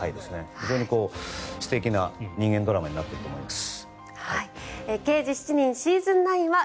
非常に素敵な人間ドラマになっていると思います。